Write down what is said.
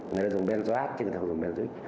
người ta dùng benzoate chứ người ta không dùng benzoic